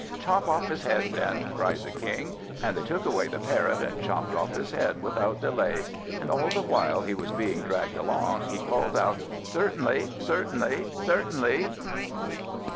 "Chop off his head, then," cried the King; and they took away the Parrot and chopped off his head without delay; and all the while he was being dragged along, he called out, "Certainly," "Certainly," "Certainly."